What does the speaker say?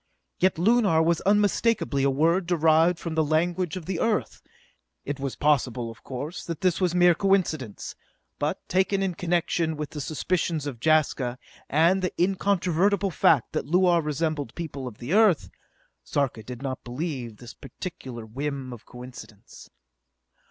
Yet Lunar was unmistakably a word derived from the language of the Earth! It was possible, of course, that this was mere coincidence; but, taken in connection with the suspicions of Jaska, and the incontrovertible fact that Luar resembled people of the Earth, Sarka did not believe in this particular whim of coincidence.